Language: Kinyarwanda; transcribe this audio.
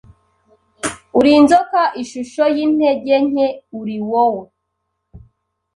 Uri Inzoka ishusho yintege nke uriwow